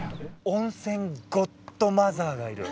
温泉ゴッドマザーがいる。